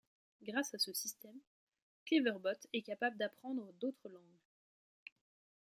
Grâce à ce système, Cleverbot est capable d'apprendre d'autres langues.